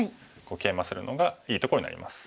ケイマするのがいいところになります。